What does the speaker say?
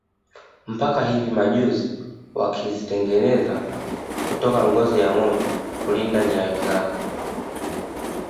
Mpaka hivi majuzi wakizitengeneza kutoka ngozi ya ngombe kulinda nyayo zao